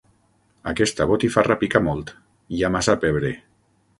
Aquesta botifarra pica molt: hi ha massa pebre.